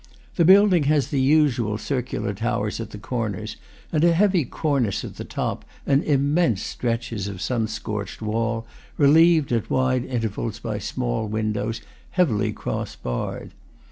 The building has the usual cir cular towers at the corners, and a heavy cornice at the top, and immense stretches of sun scorched wall, relieved at wide intervals by small windows, heavily cross barred.